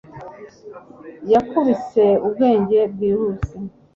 Yakubise ubwenge bwihuse